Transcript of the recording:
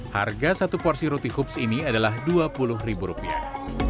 harga satu porsi roti hoops ini adalah dua puluh ribu rupiah